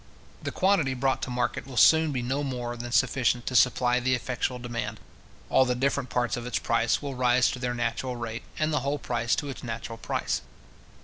The quantity brought to market will soon be no more than sufficient to supply the effectual demand. All the different parts of its price will rise to their natural rate, and the whole price to its natural price.